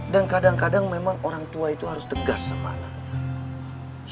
dan kadang kadang memang orang tua yang tegas dan keras